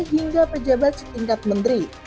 hingga pejabat setingkat menteri